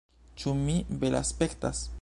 Ĉu mi belaspektas?